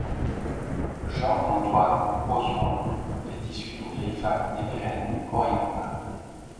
Jean-Antoine Ozun est issu d'une vieille famille des Pyrénées orientales.